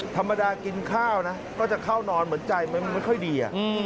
ธรรมดากินข้าวนะก็จะเข้านอนเหมือนใจมันไม่ค่อยดี